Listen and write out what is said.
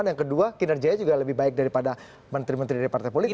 dan yang kedua kinerjanya juga lebih baik daripada menteri menteri dari partai politik